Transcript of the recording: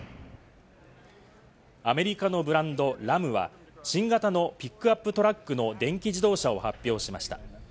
アメリカのブランド、ラムは新型のピックアップトラックの電気自動車を発表しました。